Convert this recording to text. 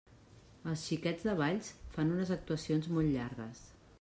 Els Xiquets de Valls fan unes actuacions molt llargues.